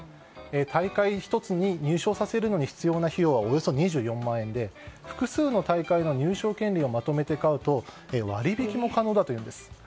大会１つに入賞させるのに必要な費用はおよそ２４万円で複数の大会の入賞権利をまとめて買うと割引も可能だというんです。